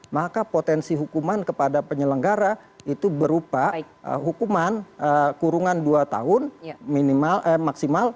maka potensi hukuman kepada penyelenggara itu berupa hukuman kurungan dua tahun maksimal